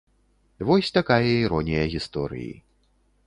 Вось такая іронія гісторыі.